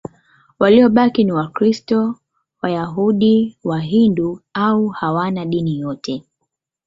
Waliobaki ni Wakristo, Wayahudi, Wahindu au hawana dini yote.